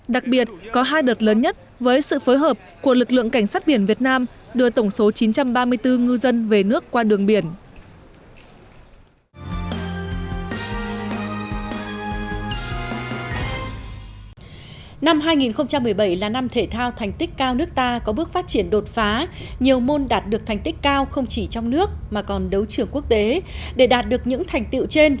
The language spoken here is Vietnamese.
đặc biệt có hai đợt lớn nhất với sự phối hợp của lực lượng cảnh sát biển việt nam đưa tổng số chín trăm ba mươi bốn ngư dân về nước qua đường biển